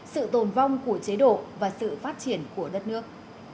sự tồn vong của chế độ và sự phát triển của đất nước